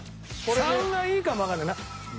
３がいいかもわかんないな。